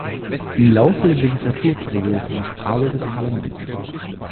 Im Laufe der Legislaturperiode verließ Abel das Parlament.